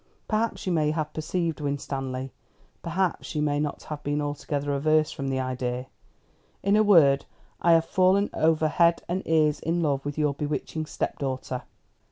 Perhaps you may have perceived, Winstanley perhaps you may not have been altogether averse from the idea in a word, I have fallen over head and ears in love with your bewitching stepdaughter."